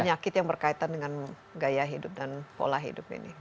penyakit yang berkaitan dengan gaya hidup dan pola hidup ini